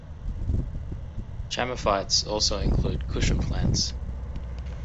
Chamaephytes also include cushion plants.